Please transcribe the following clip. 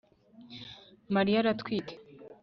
Mariya aratwite